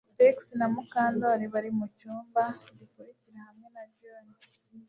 Trix na Mukandoli bari mucyumba gikurikira hamwe na John